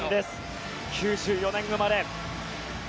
９４年生まれ。